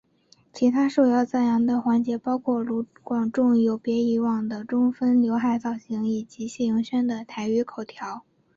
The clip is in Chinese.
其他受到赞扬的环节包括卢广仲有别以往的中分浏海造型以及谢盈萱的台语口条。